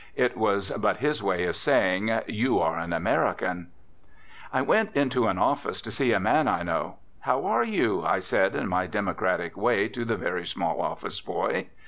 It was but his way of saying, "You are an American." I went into an office to see a man I know. "How are you?" I said in my democratic way to the very small office boy.